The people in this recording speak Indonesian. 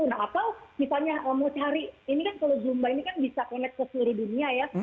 nah atau misalnya mau cari ini kan kalau zumba ini kan bisa connect ke seluruh dunia ya